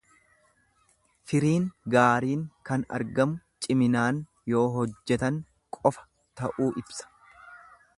Firiin gaariin kan argamu ciminaan yoo hojjetan qofa ta'uu ibsa.